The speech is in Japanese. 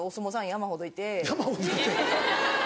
山ほどいて？